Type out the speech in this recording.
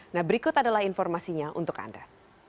nah berikut adalah informasinya untuk anda